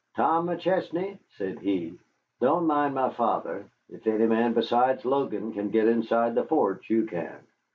"Tom McChesney," said he, "don't mind my father. If any man besides Logan can get inside the forts, you can.